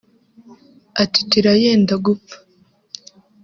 atitira yenda gupfa